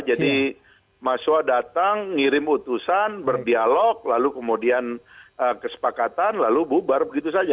jadi mahasiswa datang ngirim utusan berdialog lalu kemudian kesepakatan lalu bubar begitu saja